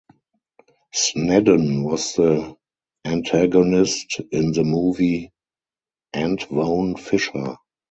Snedden was the antagonist in the movie "Antwone Fisher".